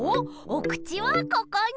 おくちはここに。